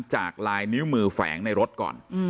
จากลายนิ้วมือแฝงในรถก่อน